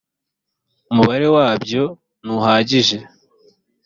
umubare wabyo ntuhagije.